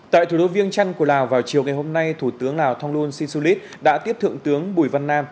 tại thủ đô viêng trăn của lào vào chiều ngày hôm nay thủ tướng lào thong luôn sinh su lít đã tiếp thượng tướng bùi văn nam